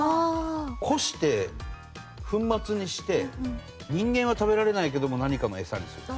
こして粉末にして人間は食べられないけども何かのエサにするとか。